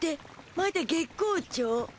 まだ月光町？